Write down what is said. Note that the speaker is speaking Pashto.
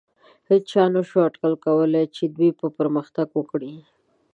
هېچا نهشو اټکل کولی، چې دوی به پرمختګ وکړي.